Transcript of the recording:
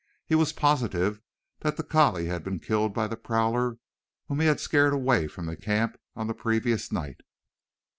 He was positive that the collie had been killed by the prowler whom he had scared away from the camp on the previous night.